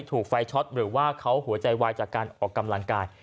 ถูกไฟช็อตหรือว่าเขาหัวใจวายจากการออกกำลังกาย